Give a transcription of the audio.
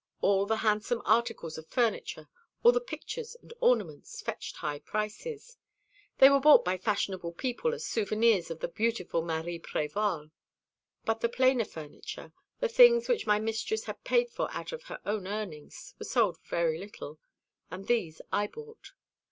All the handsome articles of furniture, all the pictures and ornaments, fetched high prices. They were bought by fashionable people as souvenirs of the beautiful Marie Prévol. But the plainer furniture, the things which my mistress had paid for out of her own earnings, were sold for very little, and these I bought.